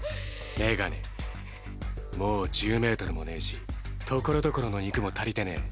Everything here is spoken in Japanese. メガネもう１０ｍもねぇしところどころの肉も足りてねぇ。